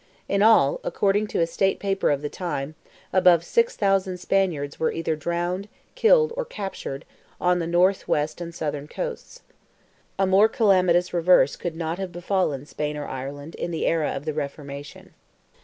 In all, according to a state paper of the time, above 6,000 of the Spaniards were either drowned, killed, or captured, on the north, west, and southern coasts. A more calamitous reverse could not have befallen Spain or Ireland in the era of the Reformation.